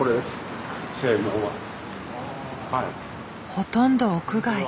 ほとんど屋外。